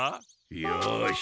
よし。